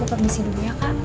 aku permisi dulu ya kak